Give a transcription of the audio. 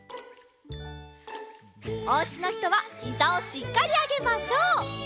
おうちのひとはひざをしっかりあげましょう！